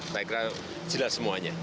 saya kira jelas semuanya